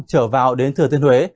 trở vào đến thừa thiên huế